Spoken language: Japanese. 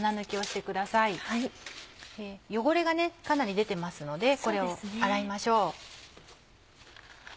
汚れがかなり出てますのでこれを洗いましょう。